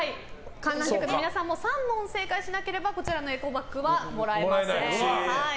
観覧客の皆さんも３問正解しなければ、こちらのエコバッグはもらえません。